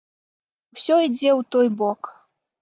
Усё ідзе ў той бок.